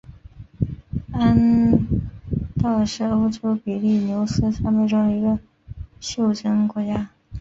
安道尔是欧洲比利牛斯山脉中的一个袖珍国家。